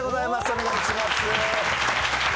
お願いします。